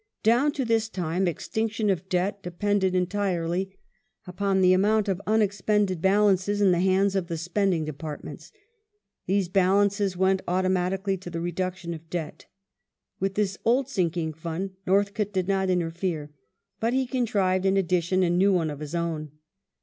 Down to this time extinction of debt depended entirely upon the amount of unex pended balances in the hands of the spending Departments. These balances went automatically to the reduction of debt. With this " Old Sinking Fund " Northcote did not interfere, but he contrived The New in addition a new one of his own.